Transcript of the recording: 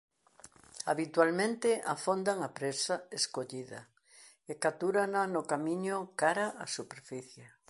Habitualmente afondan a presa escollida e captúrana no camiño cara á superficie.